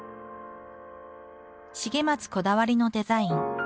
重松こだわりのデザイン。